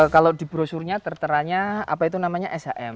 kalau di brosurnya terteranya apa itu namanya shm